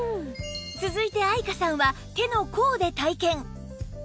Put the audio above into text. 続いて愛華さんは手の甲で体験